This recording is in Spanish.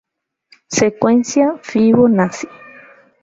Secuencia Fibonacci